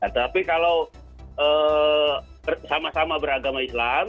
tapi kalau sama sama beragama islam